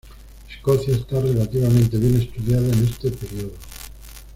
Escocia está relativamente bien estudiada en este periodo.